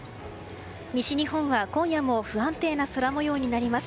西日本は今夜も不安定な空模様になります。